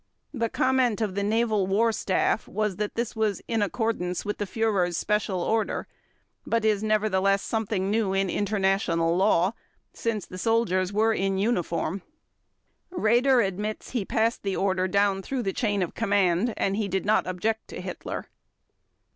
The comment of the Naval War Staff was that this was "in accordance with the Führer's special order, but is nevertheless something new in international law, since the soldiers were in uniform." Raeder admits he passed the order down through the chain of command, and he did not object to Hitler.